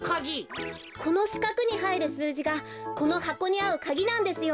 このしかくにはいるすうじがこのはこにあうかぎなんですよ。